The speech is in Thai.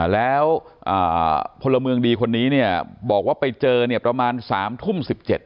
แล้วพลเมืองดีคนนี้เนี่ยบอกว่าไปเจอเนี่ยประมาณ๓ทุ่ม๑๗